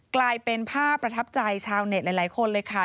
กลายเป็นภาพประทับใจชาวเน็ตหลายคนเลยค่ะ